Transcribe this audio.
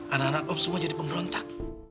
anak anak oh semua jadi pemberontak